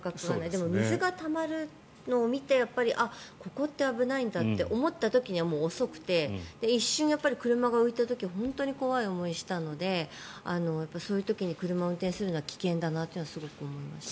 でも水がたまるのを見てここって危ないんだって思った時にはもう遅くて一瞬、車が浮いた時は本当に怖い思いをしたのでそういう時に車を運転するのは危険だなというのはすごく思いました。